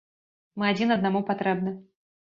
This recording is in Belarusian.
Мы адзін аднаму патрэбны.